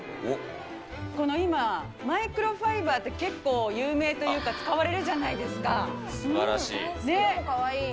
この今、マイクロファイバーって結構、有名というか、使われるじゃないすばらしい。